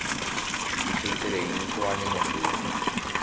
Tuichaiterei niko añemondýi.